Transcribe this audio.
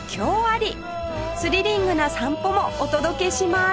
スリリングな散歩もお届けします